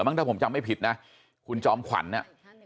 มั้งถ้าผมจำไม่ผิดนะคุณจอมขวันน่ะ